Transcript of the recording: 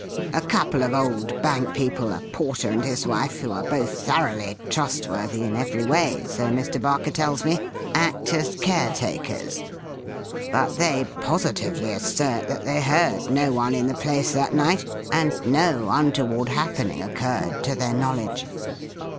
A couple of old bank people a porter and his wife who are both thoroughly trustworthy in every way, so Mr. Barker tells me act as caretakers. But they positively assert that they heard no one in the place that night, and no untoward happening occurred to their knowledge."